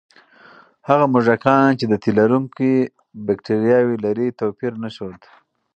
هغه موږکان چې د تیلرونکي بکتریاوې لري، توپیر نه ښود.